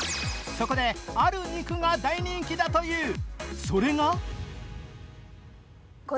そこである肉が大人気だという。